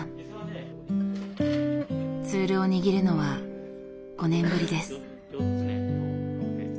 ツールを握るのは５年ぶりです。